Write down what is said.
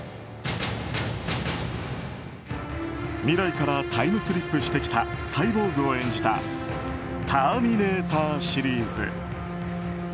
未来からタイムスリップしてきたサイボーグを演じた「ターミネーター」シリーズ。